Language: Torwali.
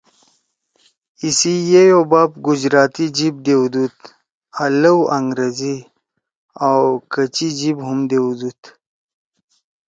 ایِسی یئی او باپ گجراتی جیِب دیؤدُود آں لَؤ أنگریزی او کَچی جیِب ہُم دیؤدُود